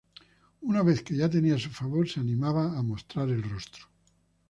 Una vez que ya tenía su favor, se animaba a mostrar el rostro.